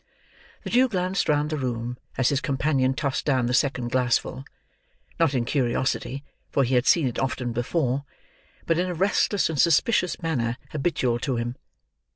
The Jew glanced round the room, as his companion tossed down the second glassful; not in curiousity, for he had seen it often before; but in a restless and suspicious manner habitual to him.